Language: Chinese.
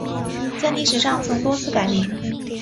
在历史上曾多次改名。